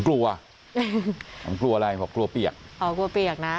กลัวอืมกลัวอะไรบอกกลัวเปียกอ๋อกลัวเปียกนะ